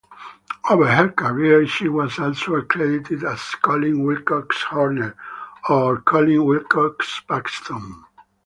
Over her career, she was also credited as Collin Wilcox-Horne or Collin Wilcox-Paxton.